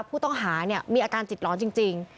ผู้ต้องหามีอาการจิตร้อนจริง